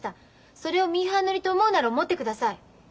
それをミーハーノリと思うなら思ってください。